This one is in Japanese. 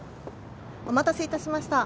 お待たせいたしました。